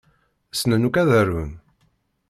Ssnen akk ad arun.